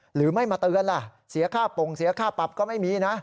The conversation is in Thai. หรือไม่มาเตือนล่ะเสียค่าปงเสียค่าปรับก็ไม่มีนะ